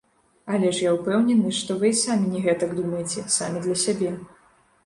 Але ж я ўпэўнены, што вы і самі не гэтак думаеце, самі для сябе.